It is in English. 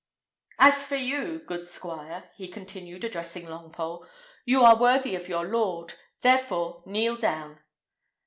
"As for you, good squire," he continued, addressing Longpole, "you are worthy of your lord; therefore kneel down."